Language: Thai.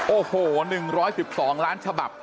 โอ้โห๑๑๒ล้านฉบับ